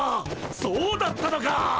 そうだったのか！